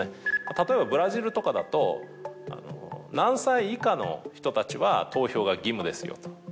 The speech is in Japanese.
例えばブラジルとかだと何歳以下の人たちは投票が義務ですよと。